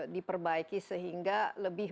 diperbaiki sehingga lebih